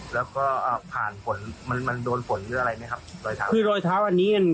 แล้วก็ผ่านผลมันโดนผลอะไรไหมครับ